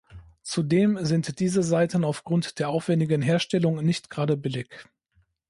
Zudem sind diese Saiten aufgrund der aufwändigen Herstellung nicht gerade billig.